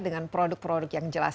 dengan produk produk yang jelas